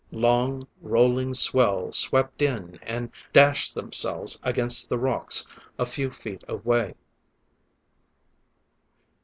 Long, rolling swell swept in and dashed themselves against the rocks a few feet away.